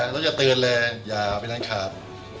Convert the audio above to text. เราจะเตือนเลยอย่าเอาไปร้านขาด